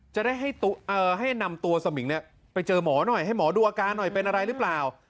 จะได้ให้นำตัวสมิงไปเจอหมอหน่อยให้หมอดูอาการหน่อยเป็นอะไรหรือเปล่า